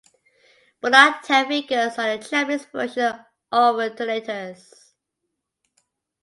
Binaltech figures are the Japanese version of Alternators.